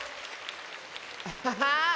アハハー！